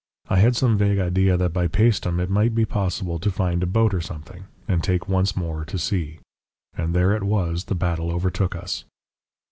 I had some vague idea that by Paestum it might be possible to find a boat or something, and take once more to sea. And there it was the battle overtook us.